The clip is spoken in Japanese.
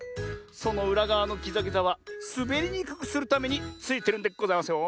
そのうらがわのぎざぎざはすべりにくくするためについてるんでございますよ。